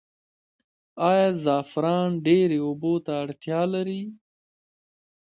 آیا زعفران ډیرې اوبو ته اړتیا لري؟